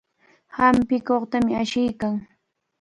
Hampikuqtami ashiykaa.